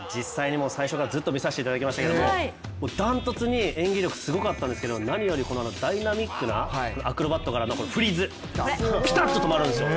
最初からずっと見させていただきましたけど、ダントツに演技力すごかったんですけど何よりダイナミックなアクロバットからのフリーズ、ピタッと止まるんですよ。